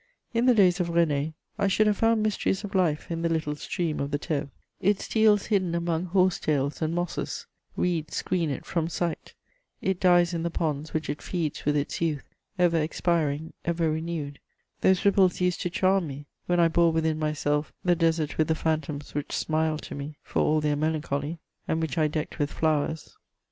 In the days of René, I should have found mysteries of life in the little stream of the Thève: it steals hidden among horse tails and mosses; reeds screen it from sight; it dies in the ponds which it feeds with its youth, ever expiring, ever renewed: those ripples used to charm me when I bore within myself the desert with the phantoms which smiled to me, for all their melancholy, and which I decked with flowers.